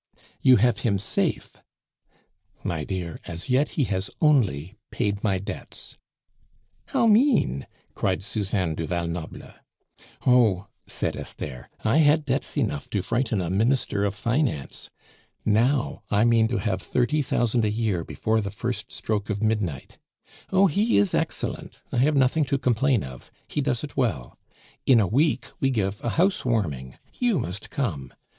"You have him safe " "My dear, as yet he has only paid my debts." "How mean!" cried Suzanne du Val Noble. "Oh!" said Esther, "I had debts enough to frighten a minister of finance. Now, I mean to have thirty thousand a year before the first stroke of midnight. Oh! he is excellent, I have nothing to complain of. He does it well. In a week we give a house warming; you must come.